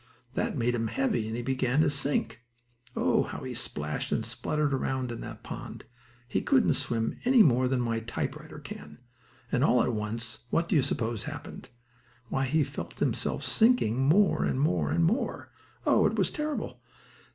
That made him heavy and he began to sink. Oh, how he splashed and spluttered around in that pond! He couldn't swim any more than my typewriter can, and, all at once, what do you suppose happened? Why, he felt himself sinking more and more and more. Oh, it was terrible!